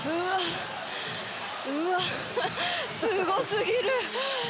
うわすごすぎる！